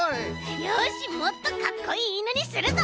よしもっとかっこいいいぬにするぞ！